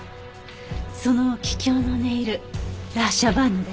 その桔梗のネイルラ・シャヴァンヌで？